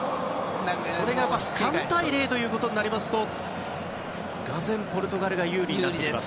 それが３対０となりますと俄然、ポルトガルが有利になってきます。